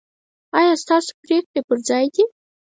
ایا ستاسو پریکړې پر ځای دي؟